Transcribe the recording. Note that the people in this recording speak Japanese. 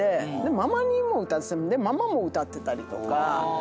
ママにも歌ってでママも歌ってたりとか。